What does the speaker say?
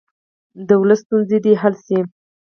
د ولس ستونزې دې حل شي.